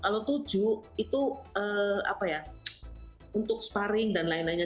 kalau tujuh itu untuk sparring dan lain lainnya